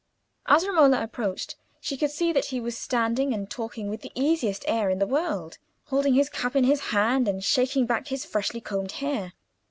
As Romola approached she could see that he was standing and talking, with the easiest air in the world, holding his cap in his hand, and shaking back his freshly combed hair.